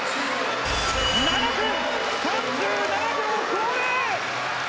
７分３７秒５０！